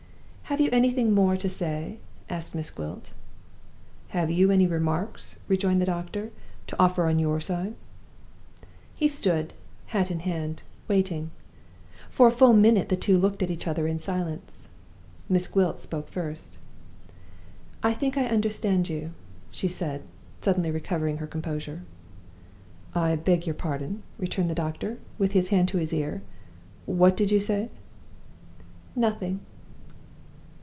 "Have you anything more to say?" asked Miss Gwilt. "Have you any remarks," rejoined the doctor, "to offer on your side?" He stood, hat in hand, waiting. For a full minute the two looked at each other in silence. Miss Gwilt spoke first. "I think I understand you," she said, suddenly recovering her composure. "I beg your pardon," returned the doctor, with his hand to his ear. "What did you say?" "Nothing."